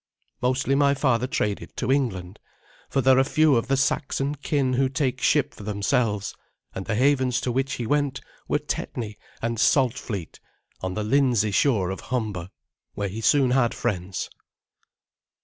Mostly my father traded to England, for there are few of the Saxon kin who take ship for themselves, and the havens to which he went were Tetney and Saltfleet, on the Lindsey shore of Humber, where he soon had friends.